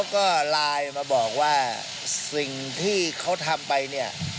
ก็ไลน์มาบอกว่าสิ่งที่เขาทำไปเนี่ย